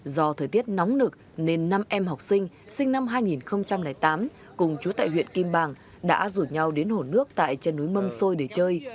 do thời tiết nóng nực nên năm em học sinh sinh năm hai nghìn tám cùng chú tại huyện kim bàng đã rủ nhau đến hồ nước tại chân núi mâm xôi để chơi